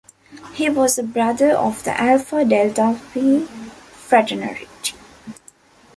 He was a Brother of the Alpha Delta Phi Fraternity.